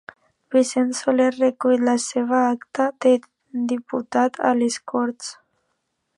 Vicent Soler recull la seva acta de diputat a les Corts